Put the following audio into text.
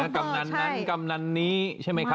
กำนันนั้นกำนันนี้ใช่ไหมครับ